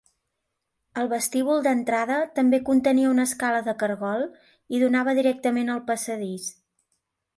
El vestíbul d'entrada també contenia una escala de cargol i donava directament al passadís.